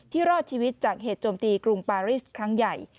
รอดชีวิตจากเหตุโจมตีกรุงปาริสครั้งใหญ่